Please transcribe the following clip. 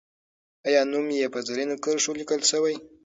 آیا نوم یې په زرینو کرښو لیکل سوی؟